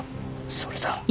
それだ！